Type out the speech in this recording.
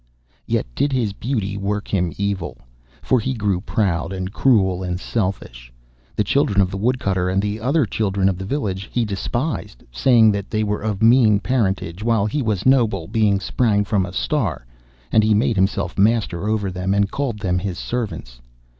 Yet did his beauty work him evil. For he grew proud, and cruel, and selfish. The children of the Woodcutter, and the other children of the village, he despised, saying that they were of mean parentage, while he was noble, being sprang from a Star, and he made himself master over them, and called them his servants.